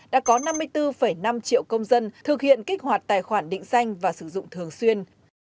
đã có năm mươi bốn năm triệu công dân thực hiện kích hoạt tài khoản định danh và sử dụng thường xuyên